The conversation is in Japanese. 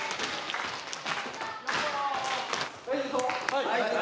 はい！